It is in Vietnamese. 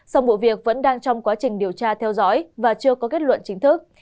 sông vụ việc vẫn đang trong quá trình điều tra theo dõi và chưa có kết luận chính thức